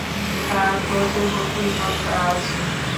তার প্রচুর বুদ্ধিমত্তা আছে।